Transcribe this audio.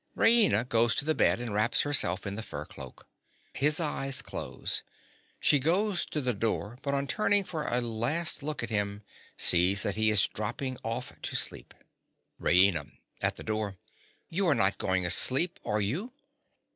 _) (_Raina goes to the bed and wraps herself in the fur cloak. His eyes close. She goes to the door, but on turning for a last look at him, sees that he is dropping of to sleep._) RAINA. (at the door). You are not going asleep, are you?